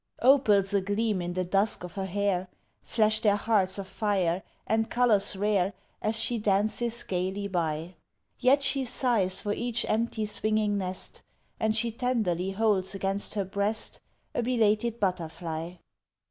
Opals agleam in the dusk of her hair Flash their hearts of fire and colours rare As she dances gaily by Yet she sighs for each empty swinging nest, And she tenderly holds against her breast A belated butterfly.